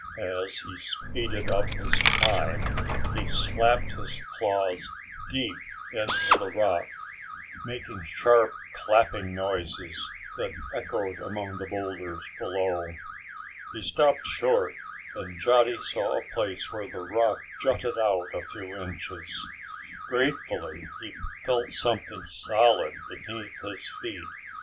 As he speeded up his climb he slapped his claws deep into the rock, making sharp clapping noises that echoed among the boulders below. He stopped short and Johnny saw a place where the rock jutted out a few inches. Gratefully he felt something solid beneath his feet.